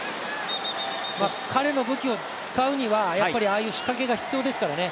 彼の武器を使うには、ああいう仕掛けが必要ですからね。